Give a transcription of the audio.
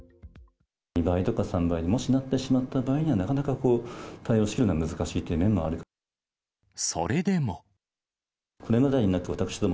２倍とか、３倍、もしなってしまった場合には、なかなか対応しきるのは難しいっていう面があるかと。